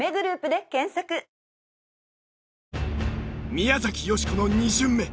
宮崎美子の２巡目。